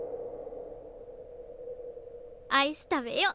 アイス食べよ！